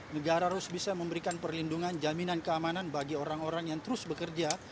negara harus bisa memberikan perlindungan jaminan keamanan bagi orang orang yang terus bekerja